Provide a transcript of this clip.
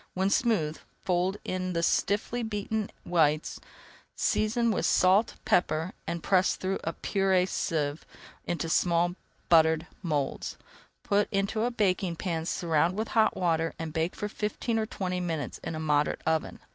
When smooth, fold in the stiffly beaten whites, season with salt and pepper, and press through a purée sieve into small buttered moulds. Put into a baking pan, surround with hot water, and bake for fifteen or twenty minutes in a moderate oven.